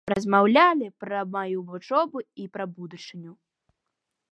Размаўлялі пра маю вучобу і пра будучыню.